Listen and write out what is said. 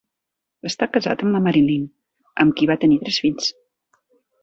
Està casat amb la Marilyn, amb qui va tenir tres fills.